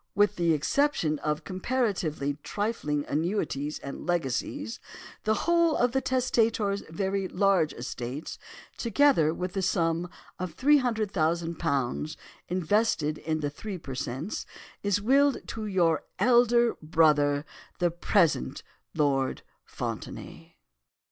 With the exception of comparatively trifling annuities and legacies, the whole of the testator's very large estates, together with the sum of £300,000 invested in the three per cents, is willed to your elder brother, the present Lord Fontenaye.